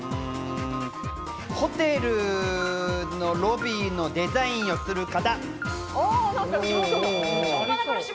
ホテルのロビーのデザインをする方。